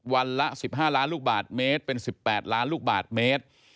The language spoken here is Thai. วันละ๑๕ล้านลูกบาทเมตรเป็น๑๘ล้านลูกบาทเมตร